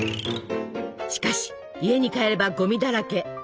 しかし家に帰ればゴミだらけ。